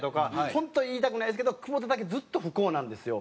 本当言いたくないですけど久保田だけずっと不幸なんですよ。